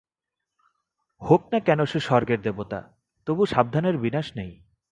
হোক-না কেন সে স্বর্গের দেবতা, তবু সাবধানের বিনাশ নাই।